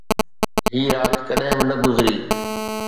هي رات ڪڏهن به نه گذري